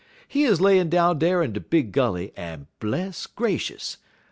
He 'uz layin' down dar in de big gully, en, bless gracious!